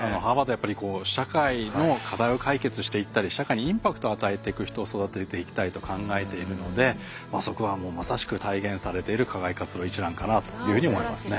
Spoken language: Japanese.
やっぱりこう社会の課題を解決していったり社会にインパクトを与えていく人を育てていきたいと考えているのでそこはもうまさしく体現されている課外活動一覧かなというふうに思いますね。